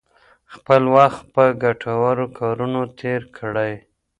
خپل وخت په ګټورو کارونو تیر کړئ.